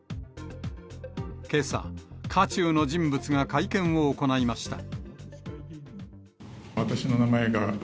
けさ、渦中の人物が会見を行いました。